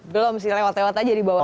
belum sih lewat lewat aja di bawah